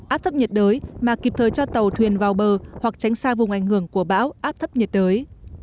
áp thấp nhiệt đới mà kịp thời cho tàu thuyền vào bờ hoặc tránh xa vùng ảnh hưởng của bão áp thấp nhiệt đới